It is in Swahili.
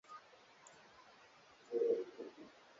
wanaokulisha kila siku Inakupa chakula Inakupa afya